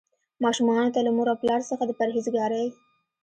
ماشومانو ته له مور او پلار څخه د پرهیزګارۍ.